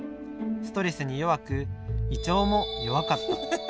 ストレスに弱く胃腸も弱かった。